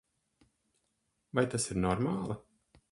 Vai tas ir normāli?